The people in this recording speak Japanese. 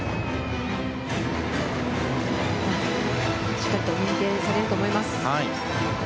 しっかりと認定されると思います。